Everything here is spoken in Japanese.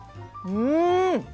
うん？